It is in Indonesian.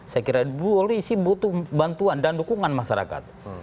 saya kira polisi butuh bantuan dan dukungan masyarakat